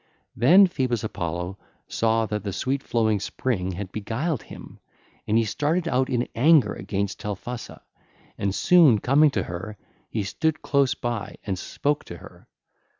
(ll. 375 378) Then Phoebus Apollo saw that the sweet flowing spring had beguiled him, and he started out in anger against Telphusa; and soon coming to her, he stood close by and spoke to her: (ll.